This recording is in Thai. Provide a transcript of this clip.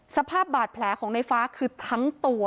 สภาพบาดแผลของในฟ้าคือทั้งตัว